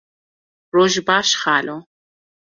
Roj baş xalo.